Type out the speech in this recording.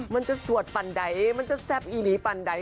มันจะสวดปันดั๊ยมันจะแซ่บอีนีปันดั๊ย